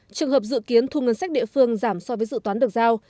trường hợp dự kiến thu ngân sách địa phương giảm so với dự toán được giao